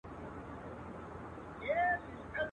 خدایه څه د رنګ دنیا ده له جهانه یمه ستړی.